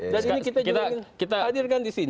dan ini kita juga ingin hadirkan disini